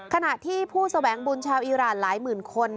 ขณะที่ผู้แสวงบุญชาวอีรานหลายหมื่นคน